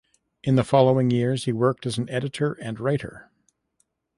In the following years he worked as an editor and writer.